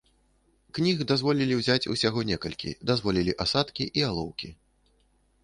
Кніг дазволілі ўзяць усяго некалькі, дазволілі асадкі і алоўкі.